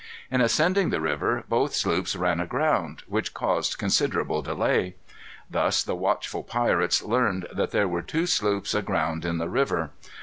In ascending the river both sloops ran aground, which caused considerable delay. Thus the watchful pirates learned that there were two sloops aground in the river.